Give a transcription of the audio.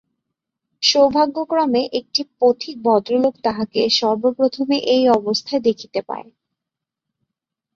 সৌভাগ্যক্রমে একটি পথিক ভদ্রলোক তাহাকে সর্বপ্রথমে এই অবস্থায় দেখিতে পায়।